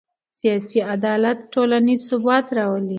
سیاسي عدالت ټولنیز ثبات راولي